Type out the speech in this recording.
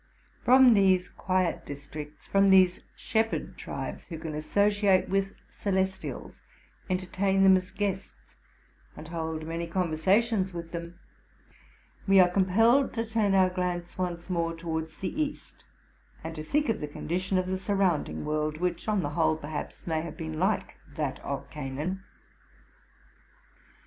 From these quiet districts, from these shepherd tribes, who can associate with celestials, entertain them as guests, and hold many conversations with them, we are com pelled to turn our glance once more towards the Kast, and to think of the condition of the surrounding world, which, on the whole, perhaps, may have been like that of Canaan.